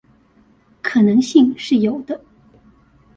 可能性是有的